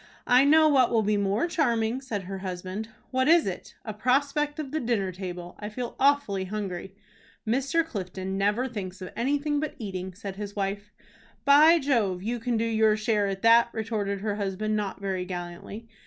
"I know what will be more charming," said her husband. "What is it?" "A prospect of the dinner table. I feel awfully hungry." "Mr. Clifton never thinks of anything but eating," said his wife. "By Jove! you can do your share at that," retorted her husband not very gallantly.